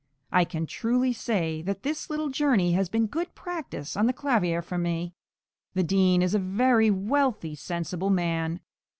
I can truly say that this little journey has been good practice on the clavier for me. The Dean is a very wealthy, sensible man.